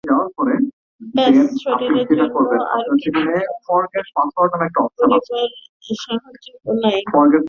ব্যস্, শরীরের জন্য আর কিছু করিবার আবশ্যক নাই।